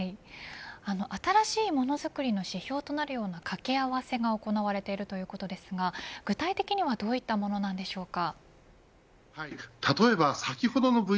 新しいものづくりの指標となるような掛け合わせが行われているということですが具体的にはどういったものなんでしょうか。